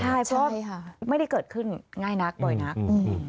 ใช่เพราะไม่ได้เกิดขึ้นง่ายนักบ่อยนักอืม